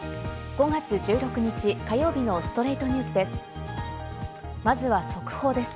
５月１６日、火曜日の『ストレイトニュース』です。